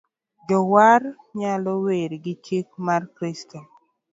Jower nyaka wer gi chik mar Kristo